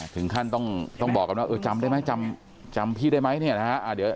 ถึงขั้นต้องบอกกันว่าเออจำได้ไหมจำพี่ได้ไหมเนี่ยนะฮะ